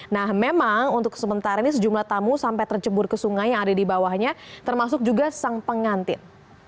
nah memang untuk sementara ini sejumlah tamu sampai tercebur ke sungai yang ada di bawahnya termasuk juga sang pengantin